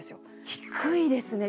低いですね。